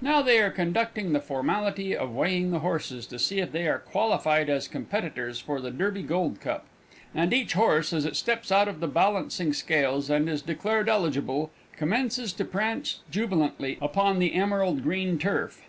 Now they are conducting the formality of weighing the horses, to see if they are qualified as competitors for the Derby Gold Cup, and each horse, as it steps out of the balancing scales and is declared eligible, commences to prance jubilantly upon the emerald green turf.